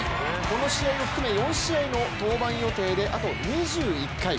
この試合を含め４試合の登板予定であと２１回。